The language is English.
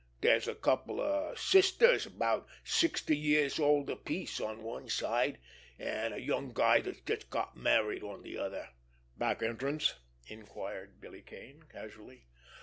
Dere's a couple of sisters about sixty years old apiece on one side, an' a young guy dat's just got married on de other." "Back entrance?" inquired Billy Kane casually.